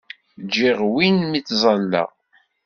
Ǧǧiɣ win mi ttẓallaɣ.